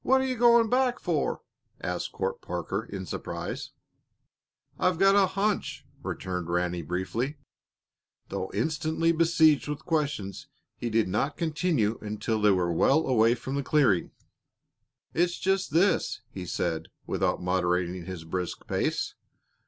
"What are you going back for?" asked Court Parker, in surprise. "I've got a hunch," returned Ranny, briefly. Though instantly besieged with questions, he did not continue until they were well away from the clearing. "It's just this," he said, without moderating his brisk pace.